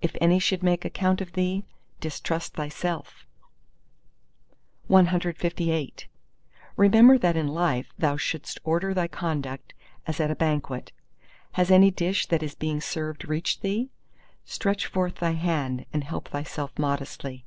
If any should make account of thee, distrust thyself. CLIX Remember that in life thou shouldst order thy conduct as at a banquet. Has any dish that is being served reached thee? Stretch forth thy hand and help thyself modestly.